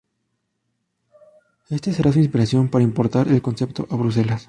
Este será su inspiración para importar el concepto a Bruselas.